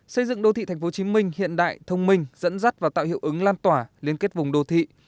xây dựng đô thị tp hcm hiện đại thông minh dẫn dắt và tạo hiệu ứng lan tỏa liên kết vùng đô thị